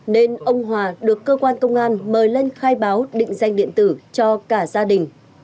nên ông hòa được cơ quan công an mời lên khai báo định danh điện tử cho cả gia đình